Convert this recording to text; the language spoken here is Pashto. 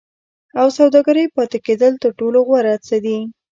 او سوداګرۍ پاتې کېدل تر ټولو غوره څه دي.